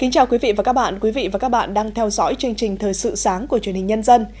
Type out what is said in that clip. chào mừng quý vị đến với bộ phim thời sự sáng của chuyên hình nhân dân